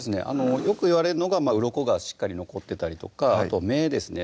よくいわれるのがうろこがしっかり残ってたりとかあと目ですね